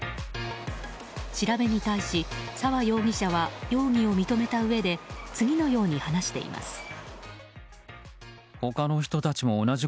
調べに対し沢容疑者は容疑を認めたうえで次のように話しています。